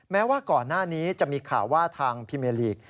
แม้ว่าก่อนหน้านี้จะมีข่าวว่าทางพิเมลีก